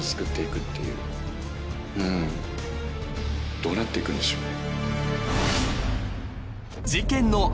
どうなって行くんでしょうね。